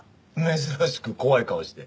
珍しく怖い顔して。